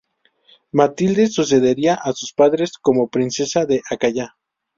Matilde sucedería a sus padres como princesa de Acaya.